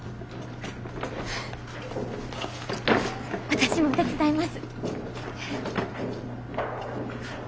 私も手伝います。